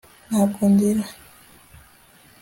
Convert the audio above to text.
ntabwo ndira